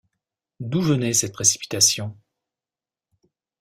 D’où venait cette précipitation?